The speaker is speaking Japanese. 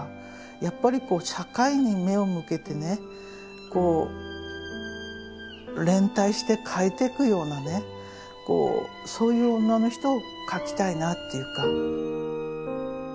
やっぱりこう社会に目を向けてね連帯して書いていくようなねそういう女の人を書きたいなっていうか。